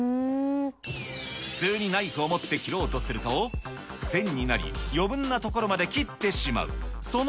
普通にナイフを持って切ろうとすると、線になり余分な所まで切ってしまう。